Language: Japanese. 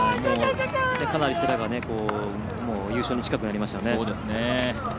かなり世羅が優勝に近くなりましたね。